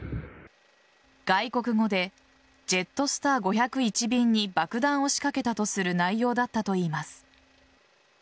外国語でジェットスター５０１便に爆弾を仕掛けたとする内容だったといいます。